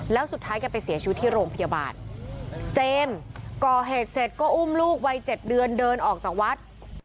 แล้วสุดท้ายแกไปเสียชีวิตที่โรงพยาบาลเจมส์ก่อเหตุเสร็จก็อุ้มลูกวัย๗เดือนเดินออกจากวัด